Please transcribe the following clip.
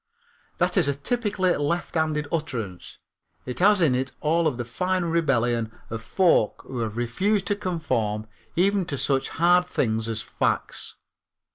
That is a typically lefthanded utterance. It has in it all of the fine rebellion of folk who have refused to conform even to such hard things as facts.